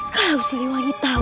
kalau si liwangi tahu